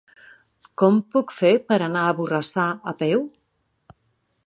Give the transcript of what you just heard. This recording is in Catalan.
Com ho puc fer per anar a Borrassà a peu?